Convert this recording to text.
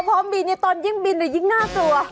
พร้อมบินตอนยิ่งบินยิ่งน่ากลัว